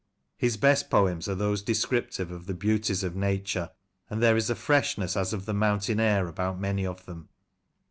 His best poems are those descriptive of the beauties of Nature, and there is a freshness as of the mountain air about many of them.